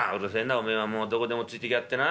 おめえはもうどこでもついてきやがってな。